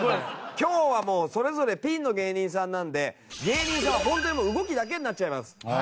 今日はもうそれぞれピンの芸人さんなんで芸人さんはホントにもう動きだけになっちゃいます。